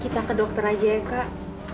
kita ke dokter aja ya kak